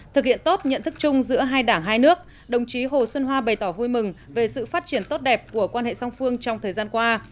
thực hiện tốt nhận thức chung giữa hai đảng hai nước đồng chí hồ xuân hoa bày tỏ vui mừng về sự phát triển tốt đẹp của quan hệ song phương trong thời gian qua